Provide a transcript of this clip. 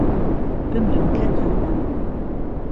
بمرم کهتانه